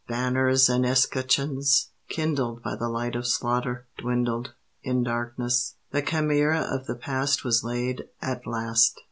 Banners and escutcheons, kindled By the light of slaughter, dwindled in darkness; the chimera Of the Past was laid at last.